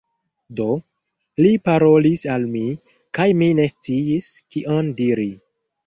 Do, li parolis al mi, kaj mi ne sciis kion diri.